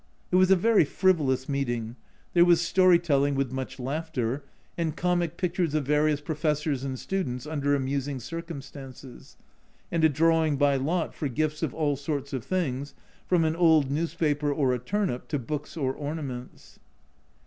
It was a very frivolous meeting ; there was story telling with much laughter, and comic pictures of various professors and students under amusing circumstances ; and a drawing by lot for gifts of all sorts of things, from an old newspaper or a turnip to books or ornaments.